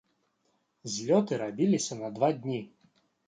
Злёты рабіліся на два дні.